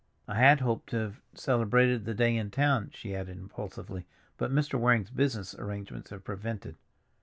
"I had hoped to have celebrated the day in town," she added impulsively, "but Mr. Waring's business arrangements have prevented."